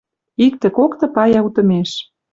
Иктӹ-кокты пая утымеш